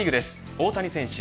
大谷選手